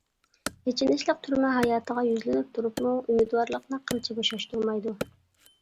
ئېچىنىشلىق تۈرمە ھاياتىغا يۈزلىنىپ تۇرۇپمۇ ئۈمىدۋارلىقىنى قىلچە بوشاشتۇرمايدۇ.